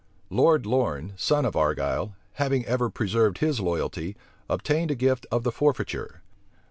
Lord Lorne, son of Argyle, having ever preserved his loyalty, obtained a gift of the forfeiture.